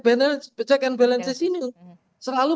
balance pecahkan balance sini selalu